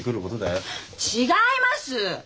違います！